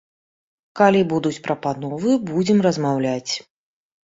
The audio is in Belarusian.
Калі будуць прапановы, будзем размаўляць.